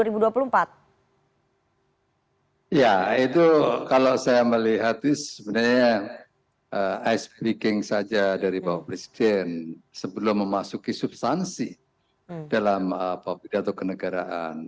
berarti sebenarnya saya speaking saja dari bapak presiden sebelum memasuki substansi dalam pidato kenegaraan